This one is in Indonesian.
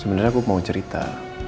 sebenarnya aku mau cerita